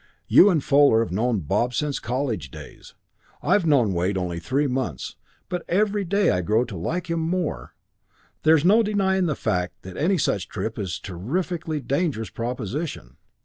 You and Fuller have known Bob since college days. I've known Wade only three months, but every day I grow to like him more. There's no denying the fact that any such trip is a terrifically dangerous proposition.